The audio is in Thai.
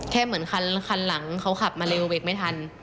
เหมือนคันหลังเขาขับมาเร็วเบรกไม่ทัน